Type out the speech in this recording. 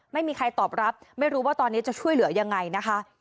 ไม่มีใครตอบรับไม่รู้ว่าตอนนี้จะช่วยเหลือยังไงนะคะ